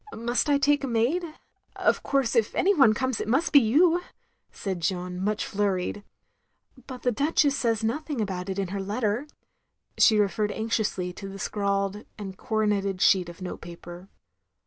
Must I take a maid? Of course if any one comes, it must be you," said Jeanne, much flurried. "But the Duchess says nothing about it in her letter." She referred anxiously to the scrawled and coro neted sheet of note paper.